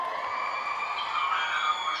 که خلګ متحد وي، هېڅوک يې نه سي ماتولی.